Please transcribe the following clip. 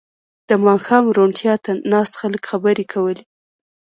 • د ماښام روڼتیا ته ناست خلک خبرې کولې.